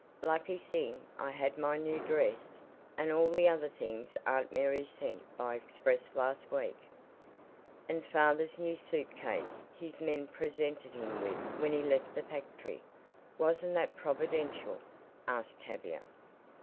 "Lucky thing I had my 'new' dress, and all the other things Aunt Mary sent by express last week. And father's new suit case his men presented him with when he left the factory wasn't that providential?" asked Tavia.